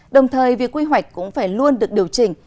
đồng thời việc quy hoạch cũng phải luôn được điều chỉnh